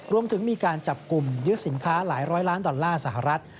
รวมถึงมีการจับกลุ่มยึดสินค้าหลายร้อยล้านดอลลาร์สหรัฐ